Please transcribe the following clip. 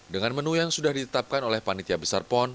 dengan menu yang sudah ditetapkan oleh panitia besar pon